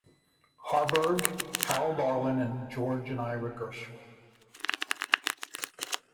Harburg, Harold Arlen, and George and Ira Gershwin.